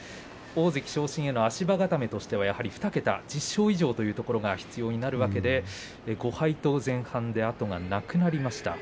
大関昇進の足固めという場所では、１０勝以上２桁が必要になるわけで５敗と前半で後がなくなりました。